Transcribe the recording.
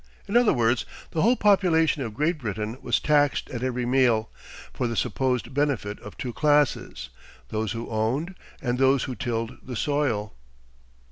In other words, the whole population of Great Britain was taxed at every meal, for the supposed benefit of two classes, those who owned and those who tilled the soil.